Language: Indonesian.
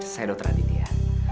saya dokter aditya